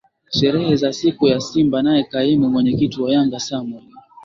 sherehe za siku ya Simba Naye kaimu mwenyekiti wa Yanga Samwel